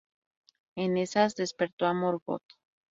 En esas, despertó a Morgoth.